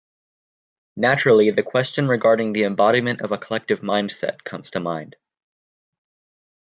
Naturally, the question regarding the embodiment of a collective mindset comes to mind.